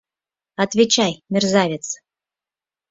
Отвечай, мерзавец!